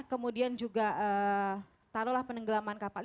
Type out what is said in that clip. kemudian juga taruhlah penenggelaman kapal